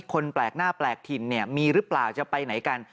คนแปลกหน้าแปลกถิ่นเนี่ยมีหรือเปล่าจะไปไหนกัน